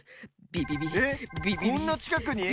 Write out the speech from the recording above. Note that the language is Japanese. ビビビえこんなちかくに？